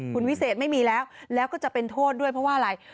คุณวิเศษไม่มีแล้วแล้วก็จะเป็นโทษด้วยเพราะว่าอะไร